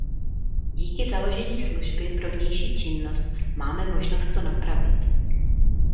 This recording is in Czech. Díky založení služby pro vnější činnost máme možnost to napravit.